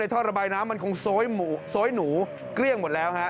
ท่อระบายน้ำมันคงโซยหนูเกลี้ยงหมดแล้วฮะ